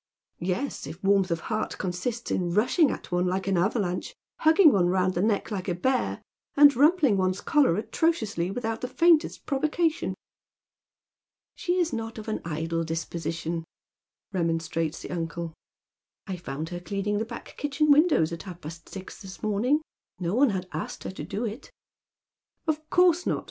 49 "Yes, if warmth of heart consists in rushing at one like an avalanche, hugging one round the neck like a bear, and rumpling one's collar atrociously, without the faintest provocation." " She is not of an idle disposition," remonstrates the uncle "I found her cleaning the back kitchen windows at half paat sis this morning. No one had asked her to do it." " Of course not.